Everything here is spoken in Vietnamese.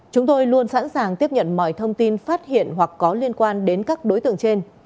chúng tôi luôn sẵn sàng tiếp nhận mọi thông tin phát hiện hoặc có liên quan đến các đối tượng trên